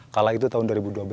kala itu tahun dua ribu dua belas